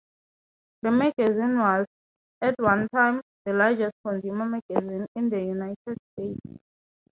The magazine was, at one time, the largest consumer magazine in the United States.